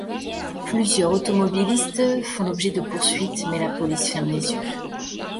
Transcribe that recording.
Plusieurs automobilistes font l'objet de poursuites mais la police ferme les yeux.